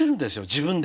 自分で。